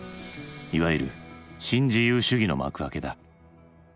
いわゆる新自由主義の幕開けだ。